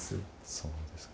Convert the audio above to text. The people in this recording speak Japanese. そうですか。